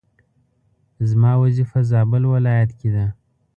زما وظيفه زابل ولايت کي ده